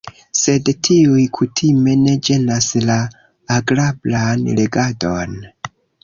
Sed tiuj kutime ne ĝenas la agrablan legadon.